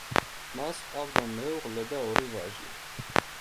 მას ჰყავდა მეუღლე და ორი ვაჟი.